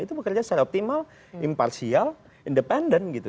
itu bekerja secara optimal imparsial independen gitu